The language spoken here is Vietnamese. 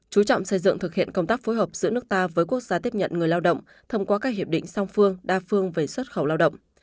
chú trọng xây dựng thực hiện công tác phối hợp giữa nước ta với quốc gia tiếp nhận người lao động thông qua các hiệp định song phương đa phương về xuất khẩu lao động